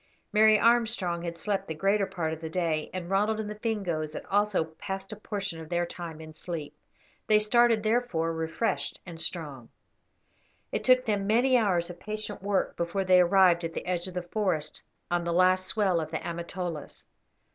Mary Armstrong had slept the greater part of the day, and Ronald and the Fingoes had also passed a portion of their time in sleep. They started, therefore, refreshed and strong. It took them many hours of patient work before they arrived at the edge of the forest on the last swell of the Amatolas.